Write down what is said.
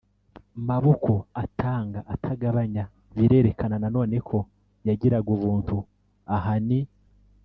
maboko atanga atagabanya: birerekana na none ko yagiraga ubuntu aha ni